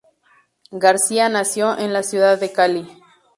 García nació en la ciudad de Cali.